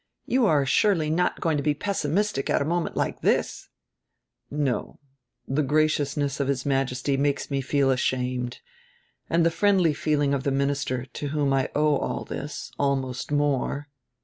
You are surely not going to be pessimistic at a moment like this." "No. The graciousness of His Majesty makes me feel ashamed, and the friendly feeling of die minister, to whom I owe all this, almost more."